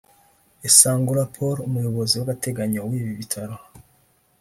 Esangula Paul umuyobozi w’agateganyo w’ibi Bitaro